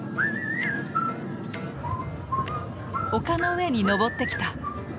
丘の上に上ってきた。